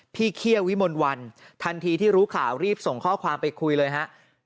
เขี้ยววิมลวันทันทีที่รู้ข่าวรีบส่งข้อความไปคุยเลยฮะ